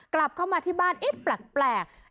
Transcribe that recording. กลับเข้ามาที่บ้านเอ๊ะแปลก